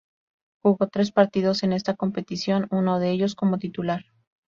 Jugó tres partidos en esta competición, uno de ellos como titular.